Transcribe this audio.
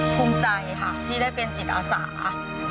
ภูมิใจค่ะที่ได้เป็นจิตอาสา